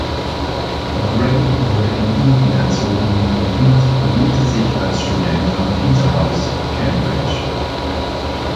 Gray wurde in Eton erzogen und immatrikulierte sich als Student am Peterhouse, Cambridge.